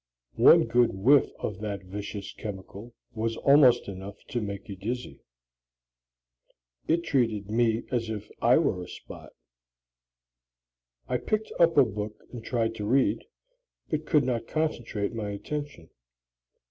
One good whiff of that vicious chemical was almost enough to make you dizzy. It treated me as if I were a spot. I picked up a book and tried to read, but could not concentrate my attention.